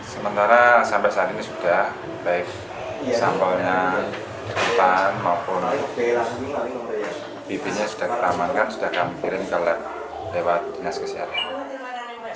sementara sampai saat ini sudah baik sampelnya kejepan maupun bibinya sudah teramankan sudah diambilin ke lewat dinas kesehatan